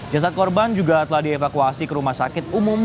jasad korban juga telah dievakuasi ke rumah sakit umum